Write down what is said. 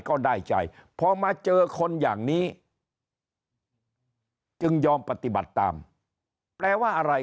ก็ได้ใจพอมาเจอคนอย่างนี้จึงยอมปฏิบัติตามแปลว่าอะไร